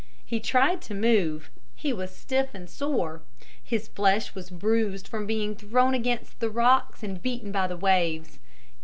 He tried to move. He was stiff and sore. His flesh was bruised from being thrown against the rocks and beaten by the waves.